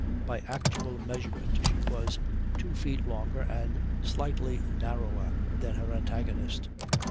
By actual measurement she was two feet longer and slightly narrower than her antagonist.